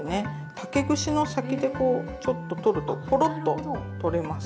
竹串の先でこうちょっと取るとポロッと取れます。